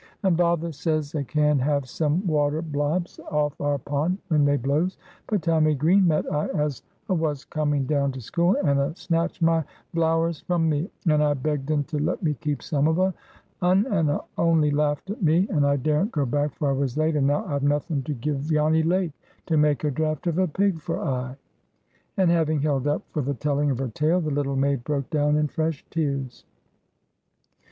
And vather says a can have some water blobs off our pond when they blows. But Tommy Green met I as a was coming down to school, and a snatched my vlowers from me, and I begged un to let me keep some of un, and a only laughed at me. And I daren't go back, for I was late; and now I've nothin' to give Janny Lake to make a draft of a pig for I." And, having held up for the telling of her tale, the little maid broke down in fresh tears.